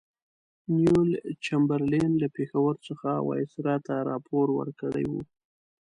نیویل چمبرلین له پېښور څخه وایسرا ته راپور ورکړی وو.